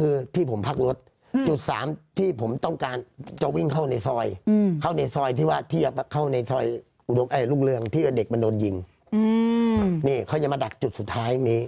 อืมเข้าในซอยที่ว่าที่เข้าในซอยอุดโรคเอ่ยลูกเรื่องที่ว่าเด็กมันโดนยิงอืมนี่เขาจะมาดักจุดสุดท้ายนี้